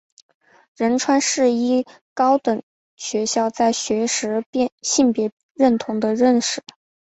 仁川世一高等学校在学时性别认同的认识。